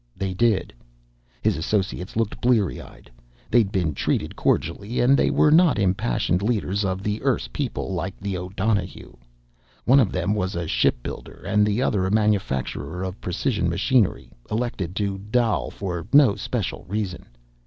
They did. His associates looked bleary eyed. They'd been treated cordially, and they were not impassioned leaders of the Erse people, like the O'Donohue. One of them was a ship builder and the other a manufacturer of precision machinery, elected to the Dail for no special reason.